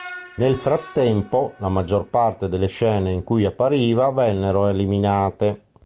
Nel frattempo, la maggior parte delle scene in cui appariva vennero eliminate.